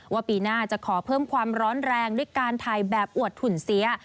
ปีหน้าจะขอเพิ่มความร้อนแรงด้วยการถ่ายแบบอวดถุนเสีย